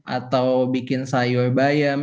atau bikin sayur bayam